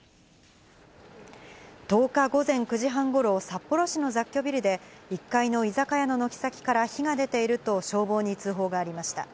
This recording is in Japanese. １０日午前９時半ごろ、札幌市の雑居ビルで、１階の居酒屋の軒先から火が出ていると、消防に通報がありました。